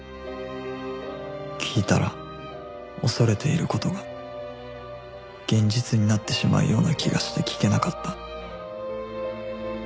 聞いたら恐れている事が現実になってしまうような気がして聞けなかった